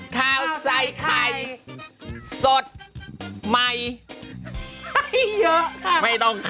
ขาวใส่ไข่สดใหม่